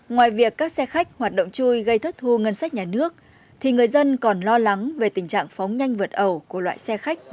ngoài việc các xe khách hoạt động chui gây thất thu ngân sách nhà nước thì người dân còn lo lắng về tình trạng phóng nhanh vượt ẩu của loại xe khách